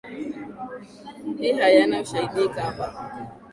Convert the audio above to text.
hii hayana ushahidi ikaba